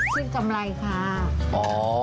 ชื่อกำไรค่ะ